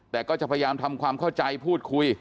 แต่ก็จะพยายามทำความเข้าใจพูดคุย